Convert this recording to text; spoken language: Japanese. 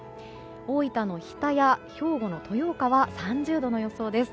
大分の日田や、兵庫の豊岡は３０度の予想です。